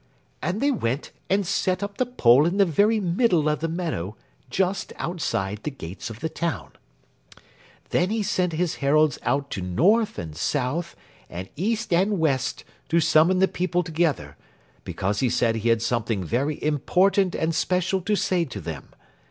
And they went and set up the pole in the very middle of the meadow just outside the gates of the town. Then he sent his heralds out to north and south and east and west to summon the people together, because he said he had something very important and special to say to them.